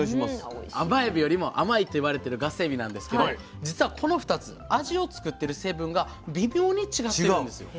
甘エビよりも甘いといわれてるガスエビなんですけど実はこの２つ味を作ってる成分が微妙に違ってるんですよ。